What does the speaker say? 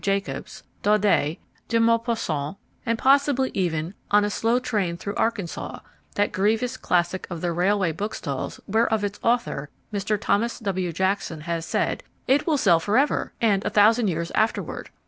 Jacobs, Daudet, de Maupassant, and possibly even On a Slow Train Through Arkansaw, that grievous classic of the railway bookstalls whereof its author, Mr. Thomas W. Jackson, has said "It will sell forever, and a thousand years afterward."